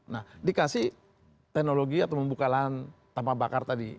nah dikasih teknologi atau membuka lahan tanpa bakar tadi